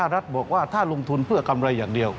รัฐบอกว่าถ้าลงทุนเพื่อกำไรอย่างเดียว